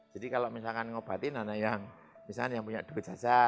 jadi kalau misalkan mengobati anak anak yang misalkan yang punya duit saja